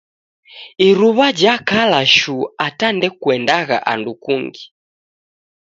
Iruw'a jakala shuu ata ndekuendagha andu kungi